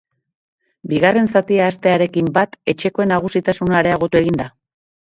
Bigarren zatia hastearekin bat, etxekoen nagusitasuna areagotu egin da.